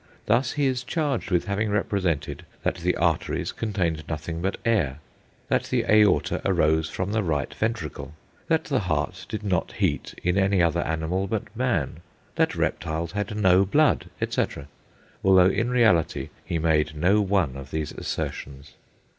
Thus he is charged with having represented that the arteries contained nothing but air; that the aorta arose from the right ventricle; that the heart did not beat in any other animal but man; that reptiles had no blood, etc.; although in reality he made no one of these assertions.